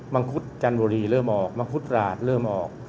งคุดจันบุรีเริ่มออกมังคุดราชเริ่มออก